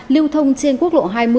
liêu thông trên quốc lộ hai mươi